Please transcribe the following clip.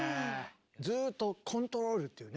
ずっとコントロールっていうね